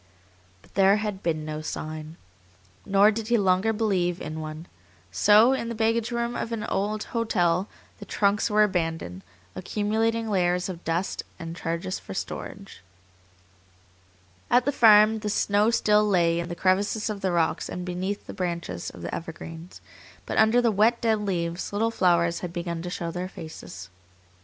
But there had been no sign. Nor did he longer believe in one. So in the baggage room of an hotel the trunks were abandoned, accumulating layers of dust and charges for storage. At the farm the snow still lay in the crevices of the rocks and beneath the branches of the evergreens, but under the wet, dead leaves little flowers had begun to show their faces.